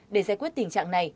để giải quyết tình trạng này